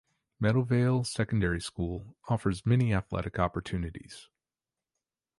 Meadowvale Secondary School offers many athletic opportunities.